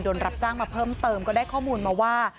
รับจ้างมาเพิ่มเติมก็ได้ข้อมูลมาว่า